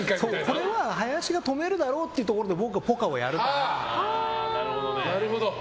これは林が止めるだろうっていうところで僕がポカをやるから。